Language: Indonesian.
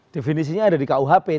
definisinya ada di kuhp